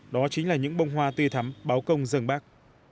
đó chính là những bông hoa tươi thắm báo công dân bác